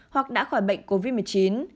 hoặc đã khỏi bệnh covid một mươi chín